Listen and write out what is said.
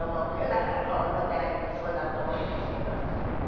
だからこのお手紙もそうだと思いますけど。